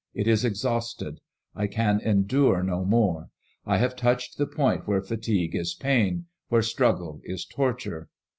It is exhausted. I can endure no more. I have touched the point where fatigue is pain, where struggle is torture.